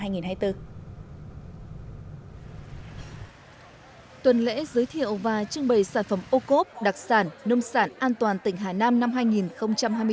tuần lễ giới thiệu và trưng bày sản phẩm ô cốp đặc sản nông sản an toàn tỉnh hà nam năm hai nghìn hai mươi bốn